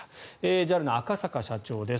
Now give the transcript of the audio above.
ＪＡＬの赤坂社長です。